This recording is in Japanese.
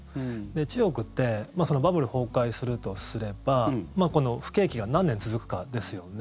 中国ってバブル崩壊するとすれば不景気が何年続くかですよね。